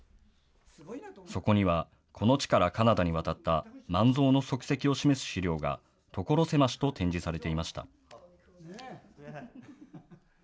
そこには、この地からカナダに渡った萬蔵の足跡を示す資料が、所狭しと展示されていました。